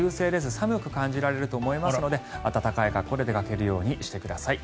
寒く感じられると思いますので暖かい格好で出かけるようにしてください。